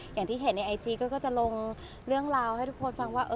อย่างที่เห็นในไอจีก็จะลงเรื่องราวให้ทุกคนฟังว่า